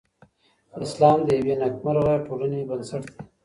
اسلام د یوې نېکمرغه ټولنې بنسټ دی.